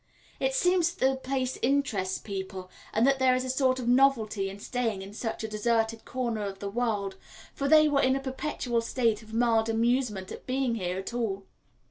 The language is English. It seems that the place interests people, and that there is a sort of novelty in staying in such a deserted corner of the world, for they were in a perpetual state of mild amusement at being here at all.